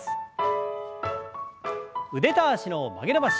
腕と脚の曲げ伸ばし。